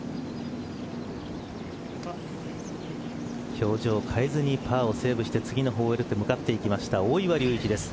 表情を変えずにパーをセーブして次のホールへと向かっていった大岩龍一です。